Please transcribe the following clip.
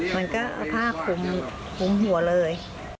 มันก็พาขุมหัวเลย